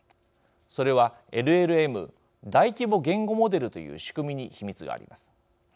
それはＬＬＭ＝大規模言語モデルという仕組みに秘密があります。